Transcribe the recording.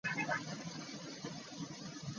Yayogedde ki ku by'okugenda mu lumbe?